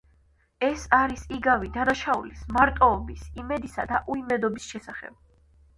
ეს არის იგავი დანაშაულის, მარტოობის, იმედისა და უიმედობის შესახებ.